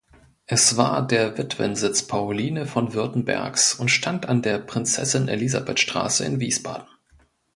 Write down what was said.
Es war der Witwensitz Pauline von Württembergs und stand an der Prinzessin-Elisabeth-Straße in Wiesbaden.